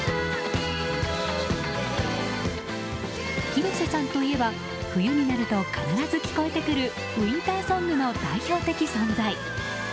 広瀬さんといえば冬になると必ず聴こえてくるウィンターソングの代表的存在。